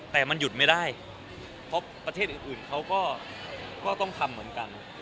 แต่มันหยุดไม่ได้เพราะประเทศอื่นเขาก็ต้องทำเหมือนกัน